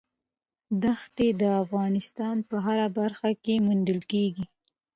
دښتې د افغانستان په هره برخه کې موندل کېږي.